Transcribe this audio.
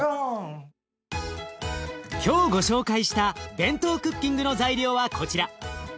今日ご紹介したＢＥＮＴＯクッキングの材料はこちら。